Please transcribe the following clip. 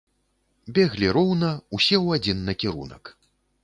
Беглі роўна, усё ў адзін кірунак.